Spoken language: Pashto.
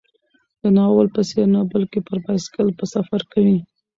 د ناول په څېر نه، بلکې پر بایسکل به سفر کوي.